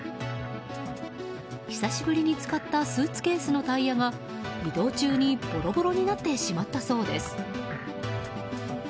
久しぶりに使ったスーツケースのタイヤが移動中に、ボロボロになってしまったそうです。